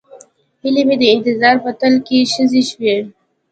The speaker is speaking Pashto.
هیلې مې د انتظار په تل کې ښخې شوې.